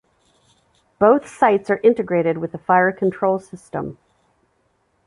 Both sights are integrated with the fire-control system.